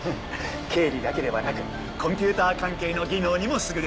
経理だけではなくコンピューター関係の技能にも優れている。